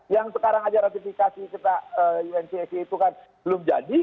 yang sekarang aja ratifikasi uncac itu kan belum jadi